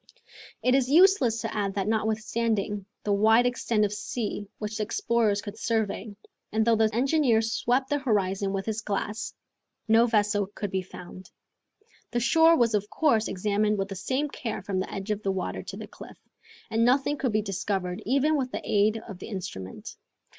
It is useless to add that notwithstanding the wide extent of sea which the explorers could survey, and though the engineer swept the horizon with his glass, no vessel could be found. The shore was of course examined with the same care from the edge of the water to the cliff, and nothing could be discovered even with the aid of the instrument.